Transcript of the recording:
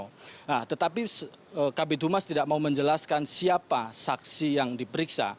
nah tetapi kabit humas tidak mau menjelaskan siapa saksi yang diperiksa